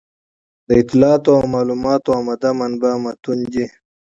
د اطلاعاتو او معلوماتو عمده منبع متون دي.